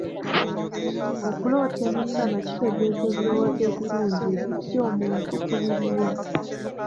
Okuloota emisana kitegeeza ebirowoozo ebirungi ebiggya omuntu ku biriwo.